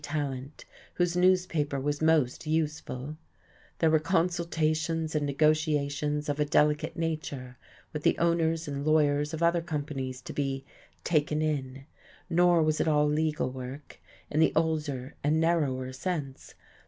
Tallant, whose newspaper was most useful; there were consultations and negotiations of a delicate nature with the owners and lawyers of other companies to be "taken in." Nor was it all legal work, in the older and narrower sense.